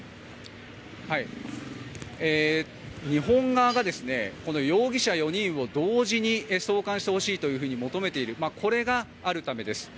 日本側が容疑者４人を同時に送還してほしいと求めているこれがあるためです。